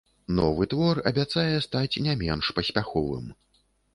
Новы твор абяцае стаць не менш паспяховым.